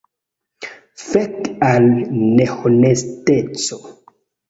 Fek al nehonesteco!